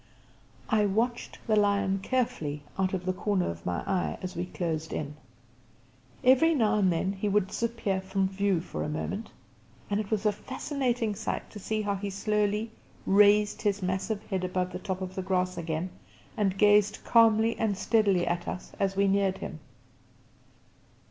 I watched the lion carefully out of the corner of my eye as we closed in. Every now and then he would disappear from view for a moment; and it was a fascinating sight to see how he slowly raised his massive head above the top of the grass again and gazed calmly and steadily at us as we neared him.